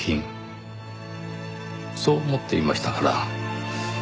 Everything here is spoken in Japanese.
そう思っていましたから。